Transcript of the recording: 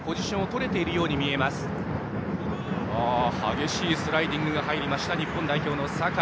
激しいスライディングが入りました日本代表の酒井。